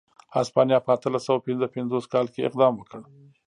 هسپانیا په اتلس سوه پنځه پنځوس کال کې اقدام وکړ.